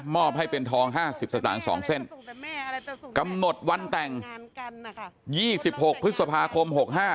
อบให้เป็นทอง๕๐สตางค์๒เส้นกำหนดวันแต่ง๒๖พฤษภาคม๖๕